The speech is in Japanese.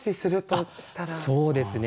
そうですね。